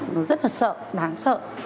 nó rất là sợ đáng sợ